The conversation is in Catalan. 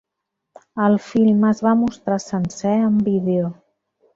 El film es va mostrar sencer en vídeo.